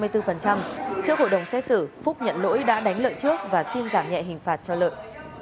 trước hội đồng xét xử phúc nhận lỗi đã đánh lợi trước và xin giảm nhẹ hình phạt cho lợi